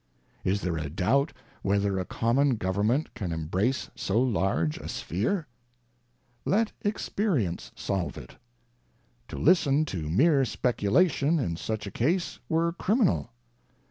ŌĆö Is there a doubt, whether a common government can embrace so large a sphere ? ŌĆö Let experience solve it. ŌĆö To listen to mere speculation in such a case were criminal.